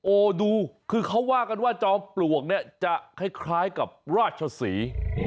ดูคือเขาว่ากันว่าจอมปลวกเนี่ยจะคล้ายกับราชศรี